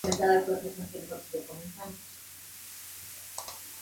Sus miembros son disidentes del partido político Fuerza Popular.